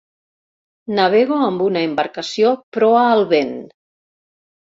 Navego amb una embarcació proa al vent.